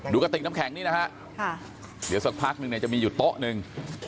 ดูกะติกน้ำแข็งนี่นะครับเดี๋ยวสักพักนึงจะมีอยู่โต๊ะนึง